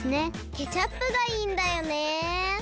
ケチャップがいいんだよね。